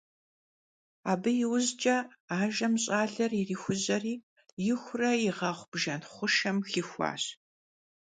Abı yiujç'e ajjem ş'aler yirixujeri yixuure yiğexhu bjjen xhuşşem yaxixuaş.